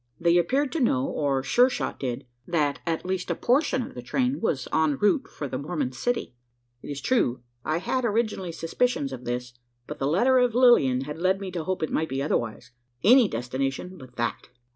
They appeared to know, or Sure shot did, that at least a portion of the train was en route for the Mormon city. It is true, I had had originally suspicions of this; but the letter of Lilian had led me to hope it might be otherwise. Any destination but that.